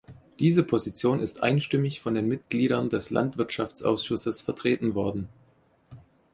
Diese Position ist einstimmig von den Mitgliedern des Landwirtschaftsausschusses vertreten worden.